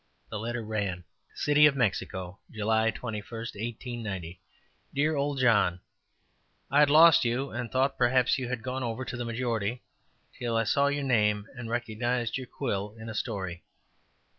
The letter ran: "City of Mexico, July 21, 1890. "DEAR OLD JOHN: I had lost you, and thought that perhaps you had gone over to the majority, until I saw your name and recognized your quill in a story.